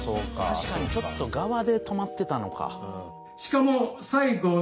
確かにちょっと側で止まってたのか。